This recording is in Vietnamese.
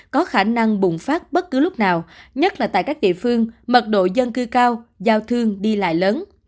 có khả năng bùng phát bất cứ lúc nào nhất là tại các địa phương mật độ dân cư cao giao thương đi lại lớn